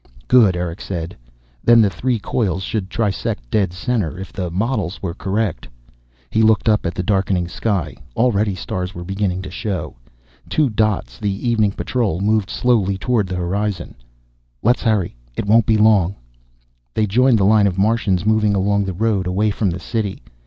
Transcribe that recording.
"Good," Erick said. "Then the three coils should trisect dead center, if the models were correct." He looked up at the darkening sky. Already, stars were beginning to show. Two dots, the evening patrol, moved slowly toward the horizon. "Let's hurry. It won't be long." They joined the line of Martians moving along the road, away from the City.